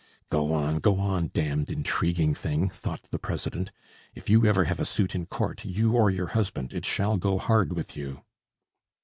"Go on! go on! damned intriguing thing!" thought the president. "If you ever have a suit in court, you or your husband, it shall go hard with you."